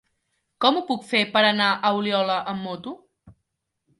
Com ho puc fer per anar a Oliola amb moto?